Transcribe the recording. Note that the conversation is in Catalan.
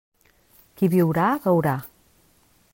Qui viurà, veurà.